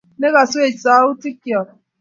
Ne kaswech sa-utikyok.